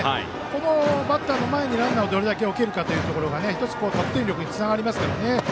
このバッターの前にランナーをどれだけ置けるかが１つ、得点力につながりますからね。